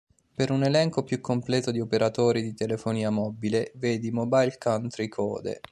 Per un elenco più completo di operatori di telefonia mobile, vedi Mobile Country Code.